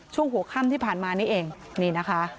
ช่วงหัวค่ำที่ผ่านมานี่เองนี่นะคะ